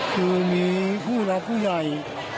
คือมีผู้รักผู้ใหญ่